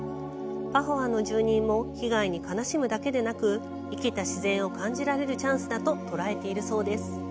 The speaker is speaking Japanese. パホアの住人も被害に悲しむだけでなく生きた自然を感じられるチャンスだと捉えているそうです。